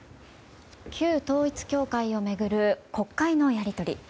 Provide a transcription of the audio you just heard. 旧統一教会を巡る国会のやり取り。